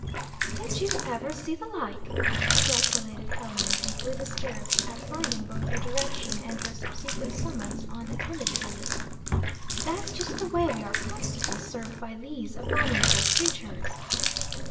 "Did you ever see the like!" ejaculated Helen, deeply disturbed at finding both her direction and her subsequent summons unattended to. "That's just the way we are constantly served by these abominable creatures."